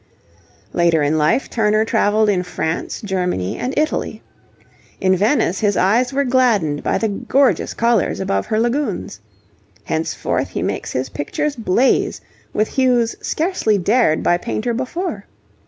Later in life, Turner travelled in France, Germany, and Italy. In Venice his eyes were gladdened by the gorgeous colours above her lagoons. Henceforth he makes his pictures blaze with hues scarcely dared by painter before.